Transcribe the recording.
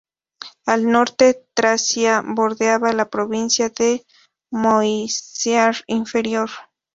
Al norte, Tracia bordeaba la provincia de Moesia Inferior.